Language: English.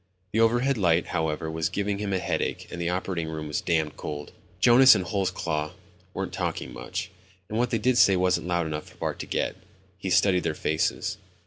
The overhead light, however, was giving him a headache and the operating room was damned cold. Jonas and Holsclaw weren't talking much, and what they did say wasn't loud enough for Bart to get. He studied their faces.